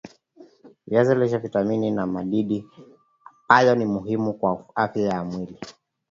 viazi lishe vitamini na madini ambayo ni muhimu kwa afya ya mwili